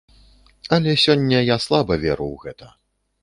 Але сёння я слаба веру ў гэта.